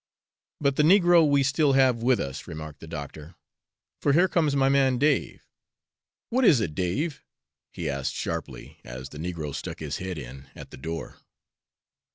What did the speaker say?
"But the negro we still have with us," remarked the doctor, "for here comes my man Dave. What is it, Dave?" he asked sharply, as the negro stuck his head in at the door.